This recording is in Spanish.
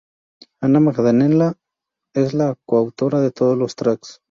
Ana Magdalena es la co-autora de todos los tracks.